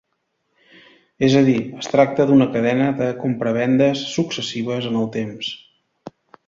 És a dir, es tracta d'una cadena de compravendes successives en el temps.